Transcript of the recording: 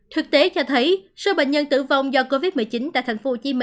thực tế cho thấy số bệnh nhân tử vong do covid một mươi chín tại tp hcm